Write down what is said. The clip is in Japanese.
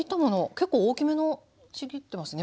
結構大きめのちぎってますね